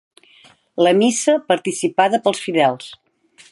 La missa participada pels fidels.